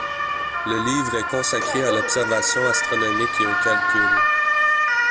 Le livre est consacré à l'observation astronomique et au calcul.